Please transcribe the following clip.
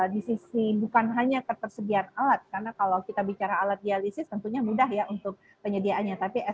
di sisi bukan hanya ketersediaan alat karena kalau kita bicara alat dialisis tentunya mudah ya untuk penyediaannya